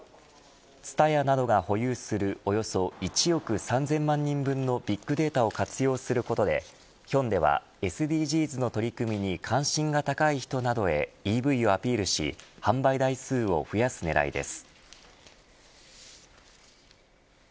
ＴＳＵＴＡＹＡなどが保有するおよそ１億３０００万人分のビッグデータを活用することでＨｙｕｎｄａｉはＳＤＧｓの取り組みに関心が高い人などへＥＶをアピールし販売台数を増やす狙いです。